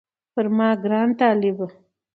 پر ما ګران طالبه